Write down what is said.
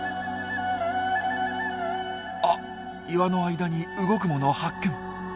あっ岩の間に動くもの発見。